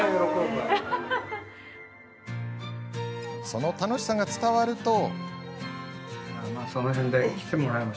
その楽しさが伝わると。